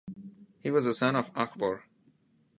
He was the son of Achbor.